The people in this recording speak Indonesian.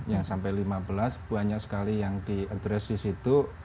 ya sampai lima belas banyak sekali yang diadres di situ